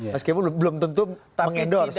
mas kebun belum tentu mengendorse